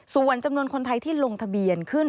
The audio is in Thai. ส่วนจำนวนคนไทยที่ลงทะเบียนขึ้น